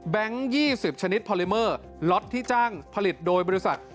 ๒๐ชนิดพอลิเมอร์ล็อตที่จ้างผลิตโดยบริษัท